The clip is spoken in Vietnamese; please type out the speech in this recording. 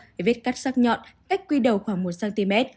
vết cắt sắc nhọn cách quy đầu khoảng một cm